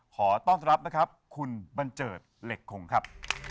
ขอต้อนรับนะครับคุณบันเจิดเหล็กคงครับ